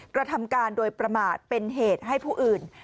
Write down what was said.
กระทำการโดยประมาทเป็นเหตุให้ผู้อื่น